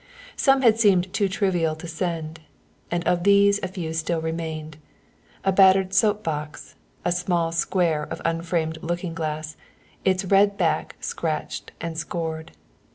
Some had seemed too trivial to send, and of these a few still remained, a battered soap box, a small square of unframed looking glass, its red back scratched and scored.